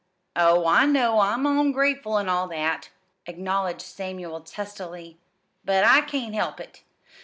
Oh, I know I'm ongrateful, an' all that," acknowledged Samuel testily, "but I can't help it.